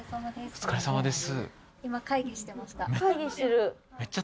お疲れさまです。